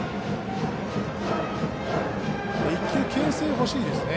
１球、けん制球が欲しいですね。